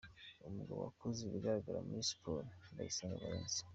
Umugabo wakoze ibigaragara muri siporo: Ndayisenga Valens.